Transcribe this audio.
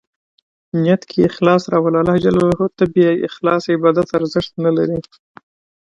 نیت کې اخلاص راوله ، الله ج ته بې اخلاصه عبادت ارزښت نه لري.